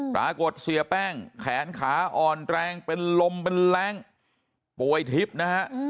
ปรากฏเสียแป้งแขนขาอ่อนแรงเป็นลมเป็นแรงป่วยทิพย์นะฮะ